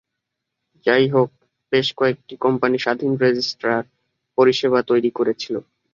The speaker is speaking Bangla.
যাইহোক, বেশ কয়েকটি কোম্পানি স্বাধীন রেজিস্ট্রার পরিষেবা তৈরি করেছিল।